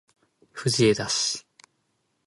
藤枝市